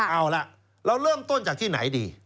เอาล่ะเราเริ่มต้นจากที่ไหนดี